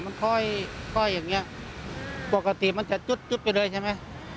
มันค่อยอย่างเงี้ยปกติมันจะจุดไปเลยใช่ไหม